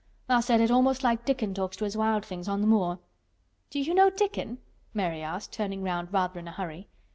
Tha' said it almost like Dickon talks to his wild things on th' moor." "Do you know Dickon?" Mary asked, turning round rather in a hurry.